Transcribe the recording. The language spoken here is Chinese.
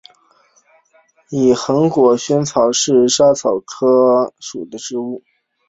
似横果薹草是莎草科薹草属的植物。